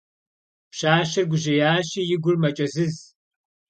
Пщащэр гужьеящи, и гур мэкӀэзыз.